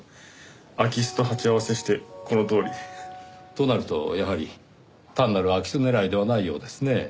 空き巣と鉢合わせしてこのとおり。となるとやはり単なる空き巣狙いではないようですね。